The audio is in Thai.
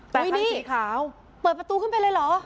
แต่คันสีขาวอุ๊ยนี่เปิดประตูขึ้นไปเลยเหรอ